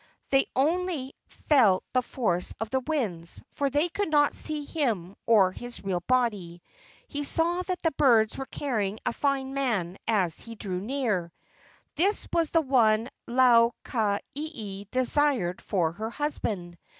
They only felt the force of the winds, for they could not see him or his real body. He saw that the birds were carrying a fine man as he drew near. This was the one Lau ka ieie desired for her husband.